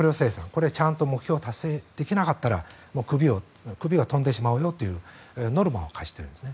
これはちゃんと目標を達成できなかったらクビが飛んでしまうよというノルマを課しているんです。